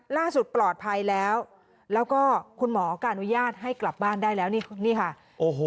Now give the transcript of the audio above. ล่าสุดปลอดภัยแล้วแล้วก็คุณหมอก็อนุญาตให้กลับบ้านได้แล้วนี่นี่ค่ะโอ้โห